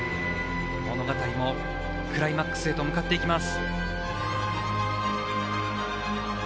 物語もクライマックスへと向かっていきます。